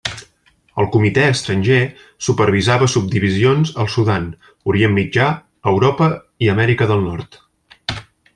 El comitè estranger supervisava subdivisions al Sudan, Orient Mitjà, Europa i Amèrica del Nord.